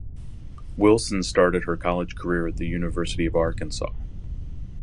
Wilson started her college career at the University of Arkansas.